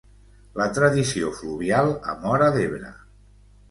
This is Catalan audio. La tradició fluvial a Móra d'Ebre.